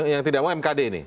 yang tidak mau mkd ini